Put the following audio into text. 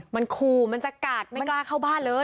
มันขู่มันจะกัดไม่กล้าเข้าบ้านเลย